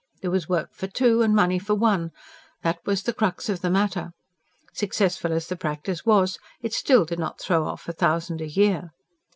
There was work for two and money for one that was the crux of the matter. Successful as the practice was, it still did not throw off a thousand a year.